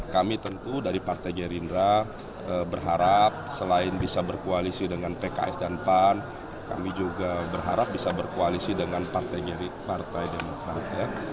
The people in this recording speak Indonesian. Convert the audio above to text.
kami tentu dari partai gerindra berharap selain bisa berkoalisi dengan pks dan pan kami juga berharap bisa berkoalisi dengan partai demokrat